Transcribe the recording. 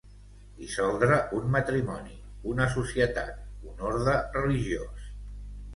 Dissoldre un matrimoni, una societat, un orde religiós.